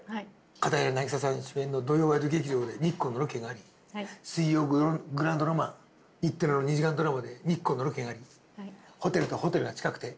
片平なぎささん主演の土曜ワイド劇場で日光のロケがあり水曜グランドロマン日テレの２時間ドラマで日光のロケがありホテルとホテルが近くて